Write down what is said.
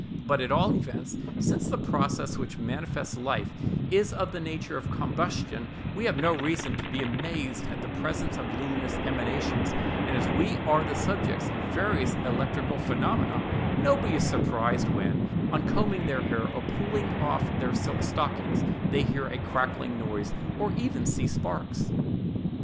But at all events, since the process which maintains life is of the nature of combustion, we have no reason to be amazed at the presence of luminous emanations; and as we are the subjects of various electrical phenomena, nobody is surprised when, on combing their hair or pulling off their silk stockings, they hear a crackling noise, or even see sparks.